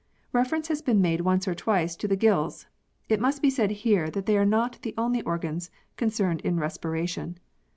Reference has been made once or twice to the gills. It must be said here that they are not the only organs concerned in respiration.